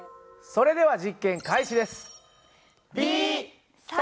それでは実験開始です。